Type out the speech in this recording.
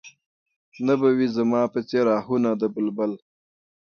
نه به وي زما په څېر اهونه د بلبل